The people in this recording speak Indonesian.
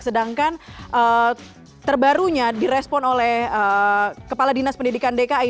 sedangkan terbarunya di respon oleh kepala dinas pendidikan dki